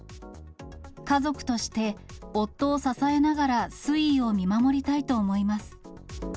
家族として、夫を支えながら推移を見守りたいと思います。